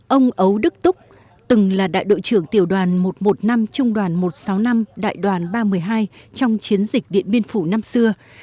ông ấu đức túc từng là đại đội trưởng tiểu đoàn một trăm một mươi năm trung đoàn một trăm sáu mươi năm đại đoàn ba trăm một mươi hai trong chiến dịch điện biên phủ năm xưa